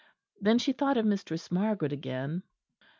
Then she thought of Mistress Margaret again.